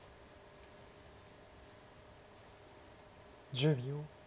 １０秒。